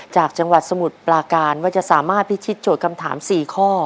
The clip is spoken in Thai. จากจังหวัดสมุทรปลาการว่าจะสามารถพิชิตโจทย์คำถาม๔ข้อ